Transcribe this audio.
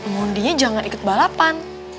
mondinya jangan ikut balapan